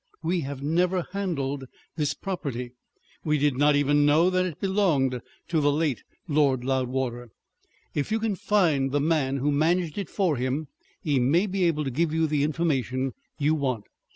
We have never handled this property; we did not even know that it belonged to the late Lord Loudwater. If you can find the man who managed it for him, he may be able to give you the information you want.